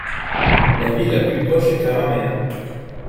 La ville la plus proche est Karamea.